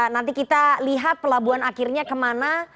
nanti kita lihat pelabuhan akhirnya kemana